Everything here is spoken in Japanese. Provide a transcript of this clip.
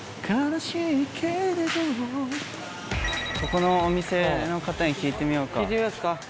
ここのお店の方に聞いてみようか。